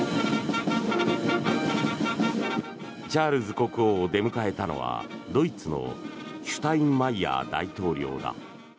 チャールズ国王を出迎えたのはドイツのシュタインマイヤー大統領だ。